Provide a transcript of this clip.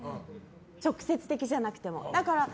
直接的じゃなくても。